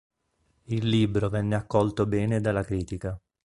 Il libro venne accolto bene dalla critica.